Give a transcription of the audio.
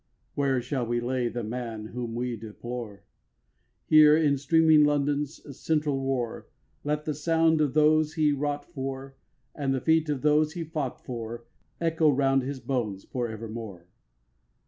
2. Where shall we lay the man whom we deplore? Here, in streaming London's central roar. Let the sound of those he wrought for, And the feet of those he fought for, Echo round his bones for evermore.